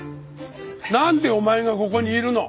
なんでお前がここにいるの？